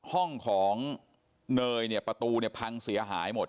ห้องของเนยเนี่ยประตูเนี่ยพังเสียหายหมด